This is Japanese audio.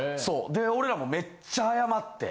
で俺らもめっちゃ謝って。